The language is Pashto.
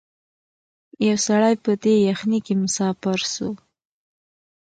یو سړی په دې یخنۍ کي مسافر سو